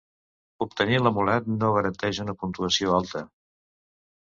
Obtenir l'amulet no garanteix una puntuació alta.